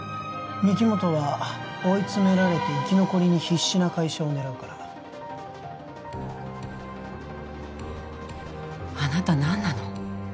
御木本は追いつめられて生き残りに必死な会社を狙うからあなた何なの？